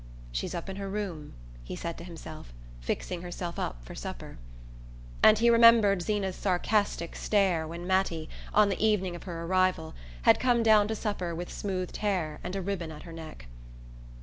"She's up in her room," he said to himself, "fixing herself up for supper"; and he remembered Zeena's sarcastic stare when Mattie, on the evening of her arrival, had come down to supper with smoothed hair and a ribbon at her neck.